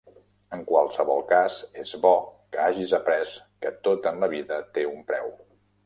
En qualsevol cas, és bo que hagis après que tot en la vida té un preu.